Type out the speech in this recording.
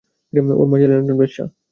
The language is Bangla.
ওর মা ছিলেন একজন বেশ্যা!